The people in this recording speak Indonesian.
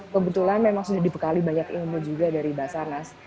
kebetulan memang sudah dibekali banyak ilmu juga dari basarnas